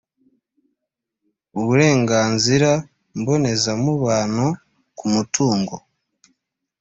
uburenganzira mbonezamubano ku mutungo